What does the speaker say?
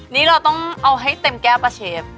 นี่เราต้องเอาให้เต็มแก้วป่ะเชฟ